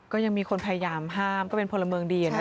ก็ยังมีคนพยายามห้ามก็เป็นพลเมืองดี